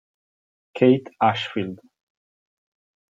Kate Ashfield